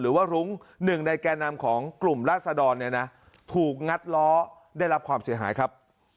หรือว่ารุ้งหนึ่งในแก่นำของกลุ่มราศดรเนี่ยนะถูกงัดล้อได้รับความเสียหายครับ